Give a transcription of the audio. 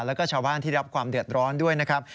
แล้วก็ชาวบ้านที่รับความเดือดร้อนด้วยนะครับ